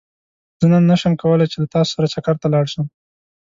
زه نن نه شم کولاي چې له تاسو سره چکرته لاړ شم